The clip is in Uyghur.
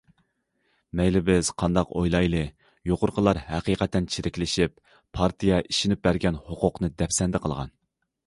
مەيلى بىز قانداق ئويلايلى، يۇقىرىقىلار ھەقىقەتەن چىرىكلىشىپ پارتىيە ئىشىنىپ بەرگەن ھوقۇقنى دەپسەندە قىلغان.